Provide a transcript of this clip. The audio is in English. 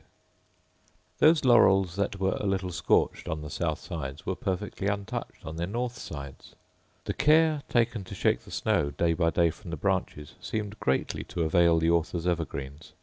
Those laurels that were a little scorched on the south sides were perfectly untouched on their north sides. The care taken to shake the snow day by day from the branches seemed greatly to avail the author's evergreens.